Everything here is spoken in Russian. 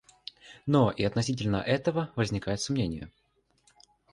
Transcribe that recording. Но и относительно этого возникает сомнение.